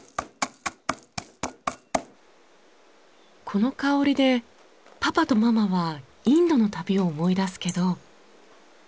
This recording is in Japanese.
この香りでパパとママはインドの旅を思い出すけど。